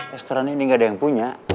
restoran ini nggak ada yang punya